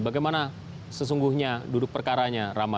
bagaimana sesungguhnya duduk perkaranya rama